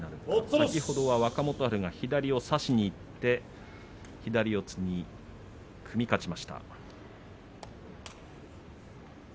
先ほどは若元春が左を差しにいって左四つに組み勝ちました。